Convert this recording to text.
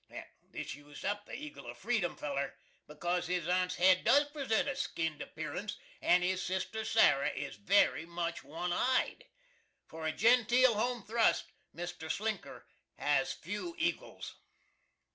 This used up the "Eagle of Freedom" feller, because his aunt's head does present a skinn'd appearance, and his sister SARAH is very much one eyed. For a genteel home thrust, MR. SLINKERS has few ekals.